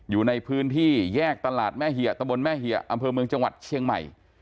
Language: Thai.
อยู่ในพื้นที่แยกตลาดแม่เหี่ยตะบนแม่เหยะอำเภอเมืองจังหวัดเชียงใหม่